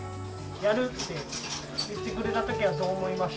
やるって言ってくれたときはどう思いました？